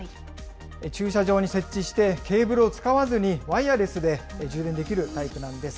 駐車場に設置して、ケーブルを使わずにワイヤレスで充電できるタイプなんです。